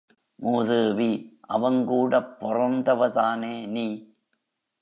மூதேவி, அவங்கூடப் பொறந்தவதானே நீ.